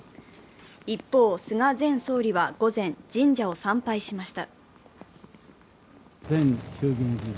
一方、菅前総理は午前、神社を参拝しました。